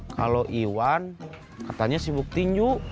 kalau iwan katanya sibuk tinju